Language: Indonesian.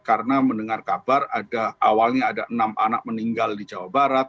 karena mendengar kabar awalnya ada enam anak meninggal di jawa barat